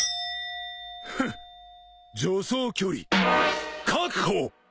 フッ助走距離確保！